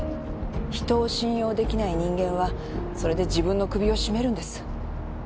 人を信用できない人間はそれで自分の首を絞めるんです。